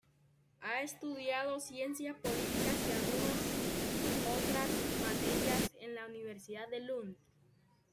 Ha estudiado Ciencias Políticas y algunos otras materias en la Universidad de Lund.